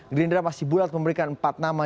gerindra masih bulat memberikan empat nama